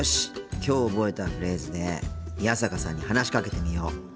きょう覚えたフレーズで宮坂さんに話しかけてみよう。